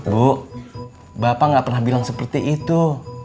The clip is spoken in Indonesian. bu bapak gak pernah bilang seperti itu